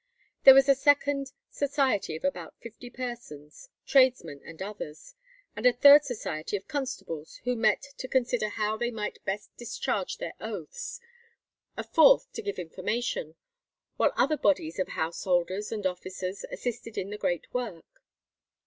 There was a second society of about fifty persons, tradesmen, and others; and a third society of constables, who met to consider how they might best discharge their oaths; a fourth to give information; while other bodies of householders and officers assisted in the great work.